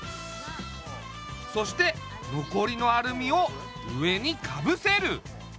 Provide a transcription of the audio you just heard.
そしてのこりのアルミを上にかぶせる。